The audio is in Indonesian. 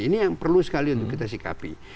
ini yang perlu sekali untuk kita sikapi